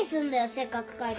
せっかく書いた。